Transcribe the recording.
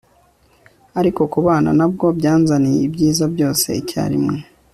ariko kubana na bwo byanzaniye ibyiza byose icyarimwe